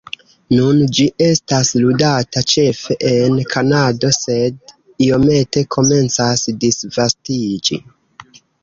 Nun ĝi estas ludata ĉefe en Kanado, sed iomete komencas disvastiĝi.